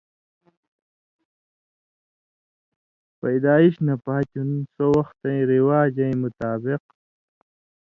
پیدائش نہ پاتیُوں، سو وختَیں رِواجَیں مطابق